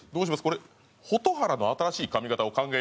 これ蛍原の新しい髪形を考えよう。